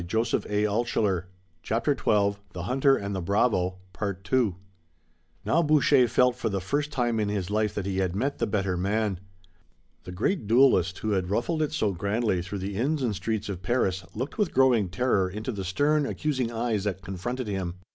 Nor did Robert and Tayoga feel the need of saying anything to their champion. Now Boucher felt for the first time in his life that he had met the better man. The great duelist who had ruffled it so grandly through the inns and streets of Paris looked with growing terror into the stern, accusing eyes that confronted him.